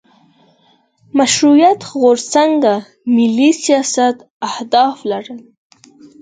مشروطیت غورځنګ ملي سیاست اهداف لرل.